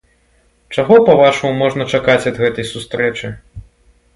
Чаго, па-вашаму, можна чакаць ад гэтай сустрэчы?